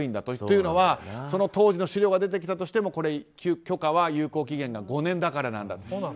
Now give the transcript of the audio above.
というのは、その当時の資料が出てきたとしても許可は有効期限が５年だからだと。